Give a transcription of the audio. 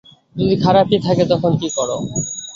যদি খারাপই থাকে তখন কি করো?